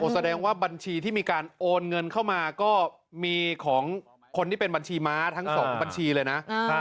แสดงว่าบัญชีที่มีการโอนเงินเข้ามาก็มีของคนที่เป็นบัญชีม้าทั้งสองบัญชีเลยนะ